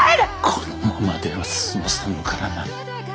このままでは済まさぬからな！